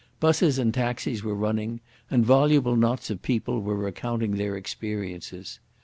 Buses and taxis were running, and voluble knots of people were recounting their experiences.